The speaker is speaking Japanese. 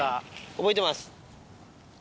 覚えてます。